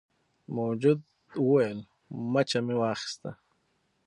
موجود وویل مچه مې واخیسته.